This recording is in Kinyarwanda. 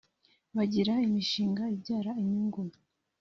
bagira imishinga ibyara inyungu